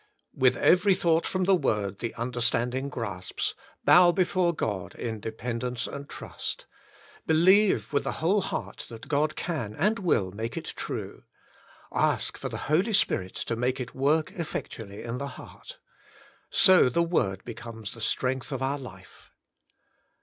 ■ With every thought from the Word the under standing grasps, bow before God in dependence and trust. Believe with the whole heart that God can and will make it true. Ask for the Holy Spirit to make it work effectually in the 68 The Inner Chamber heart. So the Word becomes the strength of our life.